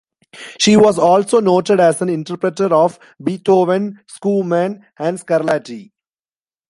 She was also noted as an interpreter of Beethoven, Schumann, and Scarlatti.